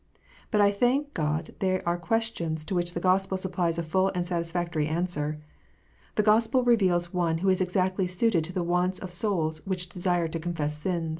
But I thank God they are questions to which the Gospel supplies a full and satisfactory answer. The Gospel reveals One who is exactly suited to the wants of souls which desire to confess sin.